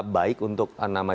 baik untuk nama